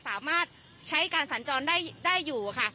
สามารถใช้การสัญจรได้อยู่ค่ะ